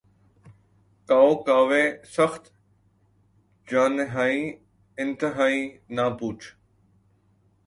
کاؤ کاوِ سخت جانیہائے تنہائی، نہ پوچھ